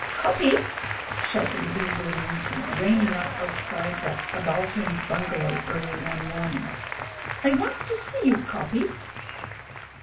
'Coppy,' shouted Wee Willie Winkie, reining up outside that subaltern's bungalow early one morning 'I want to see you, Coppy!'